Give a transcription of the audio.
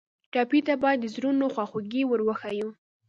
ټپي ته باید د زړونو خواخوږي ور وښیو.